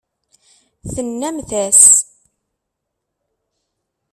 Tennamt-as.